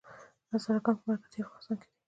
هزاره ګان په مرکزي افغانستان کې دي؟